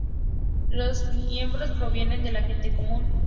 Los miembros provienen de la gente común.